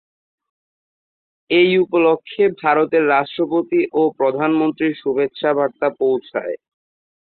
এই উপলক্ষে ভারতের রাষ্ট্রপতি ও প্রধানমন্ত্রীর শুভেচ্ছা বার্তা পৌঁছয়।